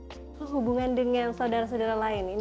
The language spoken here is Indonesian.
apa hubungan dengan saudara saudara lain